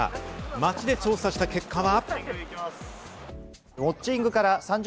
街で調査した結果は。